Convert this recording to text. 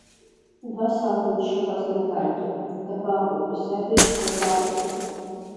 Убас акәын дшыҟаз Нодаргьы, дабаҟоу, исаҳәишь, дабаҟоу?!